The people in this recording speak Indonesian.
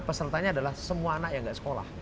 pesertanya adalah semua anak yang tidak sekolah